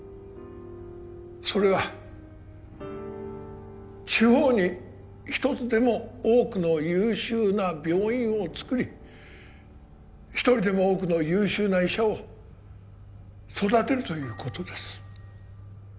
それは地方に一つでも多くの優秀な病院をつくり一人でも多くの優秀な医者を育てるということです